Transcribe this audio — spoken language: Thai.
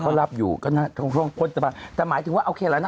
เขารับอยู่ก็ร่องพ่นที่เบาแต่หมายถึงว่าโอเคแล้วนะ